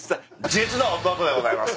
実の弟でございます。